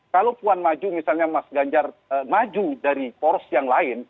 kalau puan maju dari poros yang lain